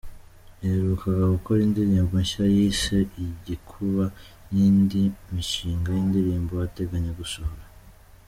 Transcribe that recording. Yaherukaga gukora indirimbo nshya yise “Igikuba” n’indi mishinga y’indirimbo ateganya gusohora.